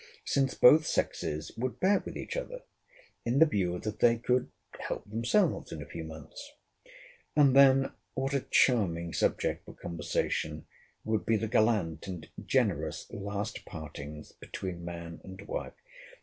Since both sexes would bear with each other, in the view that they could help themselves in a few months. And then what a charming subject for conversation would be the gallant and generous last partings between man and wife!